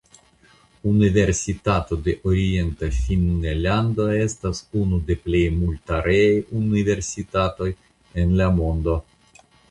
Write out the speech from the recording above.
Universitato de Orienta Finnlando estas unu de plej multareaj universitatoj en la mondo.